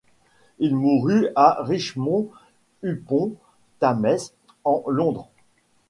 Il mourut à Richmond upon Thames en Londres.